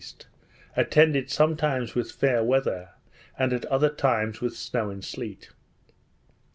attended sometimes with fair weather, and at other times with snow and sleet.